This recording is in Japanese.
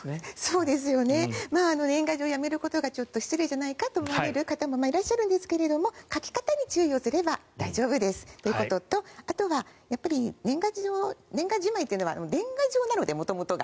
年賀状をやめることがちょっと失礼じゃないかと思われる方もいらっしゃるんですが書き方に注意をすれば大丈夫ですということとあとは、年賀状じまいというのは年賀状なので、元々が。